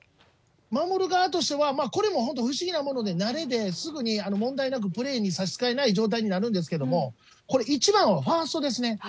守る側としては、これも本当、不思議なもので慣れで、すぐに問題なくプレーに差し支えない状態になるんですけれども、これ、一番はファーストですね。